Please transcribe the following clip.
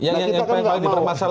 nah kita kan gak mau